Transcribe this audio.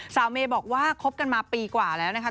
สาวเมบอกว่าคบกันมาปีกว่าแล้วนะครับ